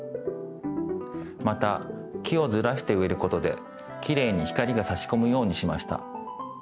また木をずらしてうえることできれいに光がさしこむようにしました。